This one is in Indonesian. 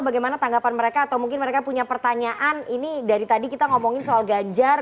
bagaimana tanggapan mereka atau mungkin mereka punya pertanyaan ini dari tadi kita ngomongin soal ganjar